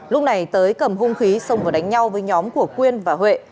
lúc này tới cầm hung khí xong và đánh nhau với nhóm của quyên và huệ